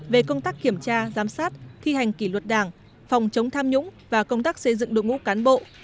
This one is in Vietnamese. về công tác kiểm tra giám sát thi hành kỷ luật đảng phòng chống tham nhũng và công tác xây dựng đội ngũ cán bộ